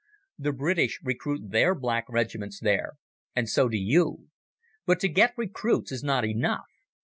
The British recruit their black regiments there, and so do you. But to get recruits is not enough.